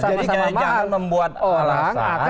jadi jangan membuat alasan